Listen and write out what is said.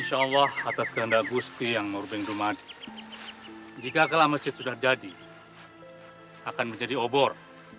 insya allah atas kehendak agusti yang merubing dumadi jika kelam masjid sudah jadi akan menjadi obor